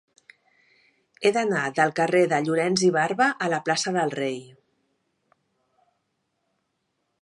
He d'anar del carrer de Llorens i Barba a la plaça del Rei.